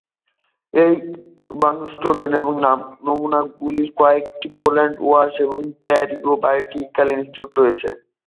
এই "বাগ্সেরাটোপস" নমুনাগুলির কয়েকটি পোল্যান্ডের ওয়ারশ এর প্যালিওবায়োলজিকাল ইনস্টিটিউটে রয়েছে।